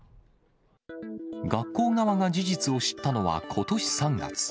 学校側が事実を知ったのはことし３月。